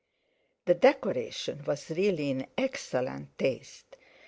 The decoration was really in excellent taste.